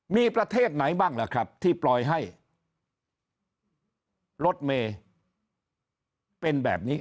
มีประเทศไหนบ้างล่ะครับที่ปล่อยให้รถเมย์เป็นแบบนี้